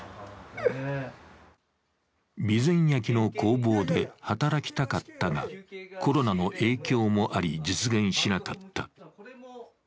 備前焼の工房で働きたかったが、コロナの影響もあり、実現しなかった。